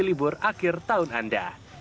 libur akhir tahun anda